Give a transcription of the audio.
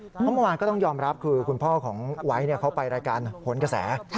เพราะเมื่อวานก็ต้องยอมรับคือคุณพ่อของไวท์เขาไปรายการผลกระแส